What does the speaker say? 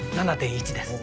７．１です。